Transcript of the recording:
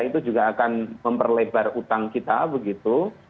itu juga akan memperlebar utang kita begitu